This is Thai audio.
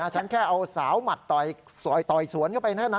ฉันแค่เอาสาวหมัดต่อยสวนเข้าไปเท่านั้น